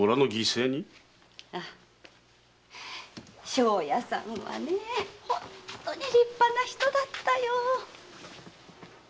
庄屋さんは本当に立派な人だったよ。